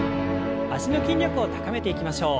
脚の筋力を高めていきましょう。